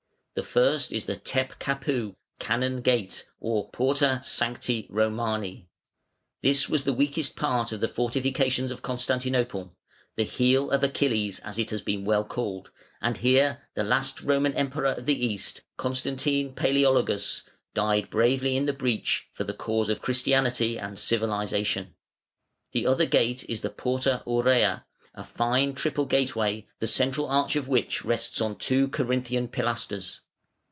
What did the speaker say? The first is the Tep Kapou (Cannon Gate), or Porta Sancti Romani. This was the weakest part of the fortifications of Constantinople, the "heel of Achilles", as it has been well called, and here the last Roman Emperor of the East, Constantine Palaeologus, died bravely in the breach for the cause of Christianity and civilisation, The other gate is the Porta Aurea, a fine triple gateway, the centre arch of which rests on two Corinthian pilasters.